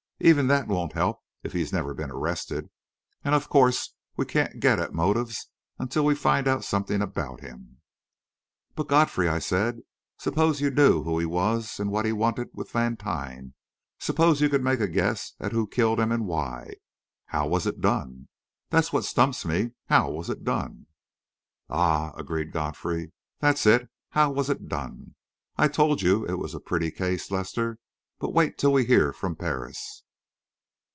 Even that won't help, if he has never been arrested. And, of course, we can't get at motives until we find out something about him." "But, Godfrey," I said, "suppose you knew who he was and what he wanted with Vantine suppose you could make a guess at who killed him and why how was it done? That is what stumps me. How was it done?" "Ah!" agreed Godfrey. "That's it! How was it done? I told you it was a pretty case, Lester. But wait till we hear from Paris."